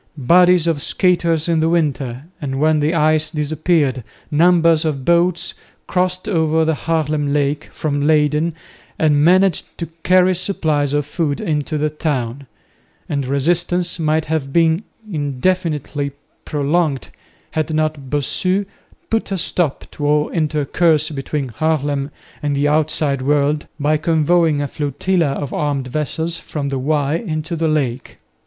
Bodies of skaters in the winter, and when the ice disappeared, numbers of boats crossed over the Haarlem lake from Leyden and managed to carry supplies of food into the town, and resistance might have been indefinitely prolonged had not Bossu put a stop to all intercourse between Haarlem and the outside world by convoying a flotilla of armed vessels from the Y into the lake.